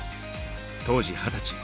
当時二十歳。